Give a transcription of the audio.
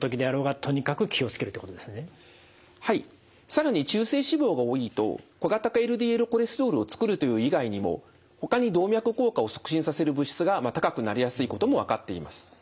更に中性脂肪が多いと小型化ＬＤＬコレステロールを作るという以外にもほかに動脈硬化を促進させる物質が高くなりやすいことも分かっています。